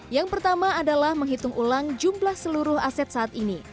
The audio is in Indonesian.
yang pertama adalah menghitung ulang jumlah seluruh aset saat ini